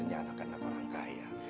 tidak renyah anak anak orang kaya